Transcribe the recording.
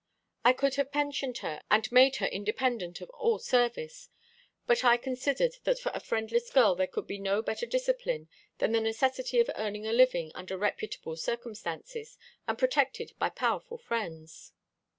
I could have pensioned her and made her independent of all service; but I considered that for a friendless girl there could be no better discipline than the necessity of earning a living under reputable circumstances, and protected by powerful friends.